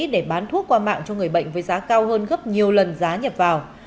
để bán thuốc qua mạng cho người bệnh với giá cao hơn gấp nhiều lần giá nhập vào